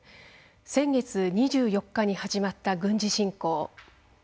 先月２４日に始まった軍事侵攻。